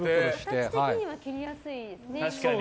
形的には切りやすいですね。